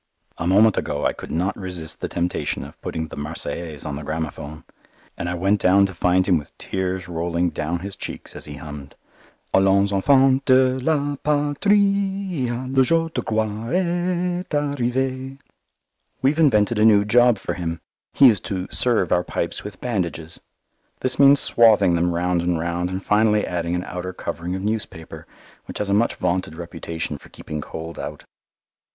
A moment ago I could not resist the temptation of putting the Marseillaise on the gramophone, and I went down to find him with tears rolling down his cheeks as he hummed, "Allons, enfants de la Patrie, Le jour de gloire est arrivé." We've invented a new job for him; he is to "serve" our pipes with bandages. This means swathing them round and round, and finally adding an outer covering of newspaper, which has a much vaunted reputation for keeping cold out.